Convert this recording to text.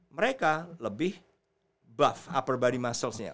mereka lebih buff upper body muscles nya